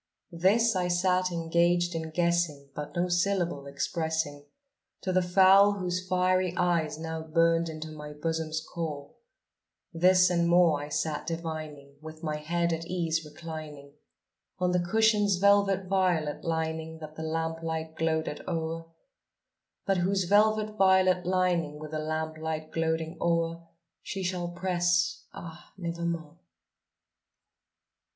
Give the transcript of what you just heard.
This I sat engaged in guessing, but no syllable expressing To the fowl whose fiery eyes now burned into my bosom's core; This and more I sat divining, with my head at ease reclining On the cushion's velvet violet lining that the lamp light gloated o'er, But whose velvet violet lining with the lamp light gloating o'er, She shall press, ah, nevermore!